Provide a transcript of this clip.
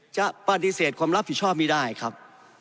จะปฏิเสธความรับผิดชอบไม่ได้ครับ